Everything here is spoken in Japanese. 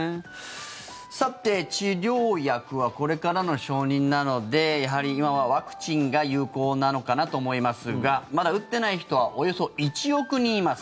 さて、治療薬はこれからの承認なのでやはり、今はワクチンが有効なのかなと思いますがまだ打っていない人はおよそ１億人います。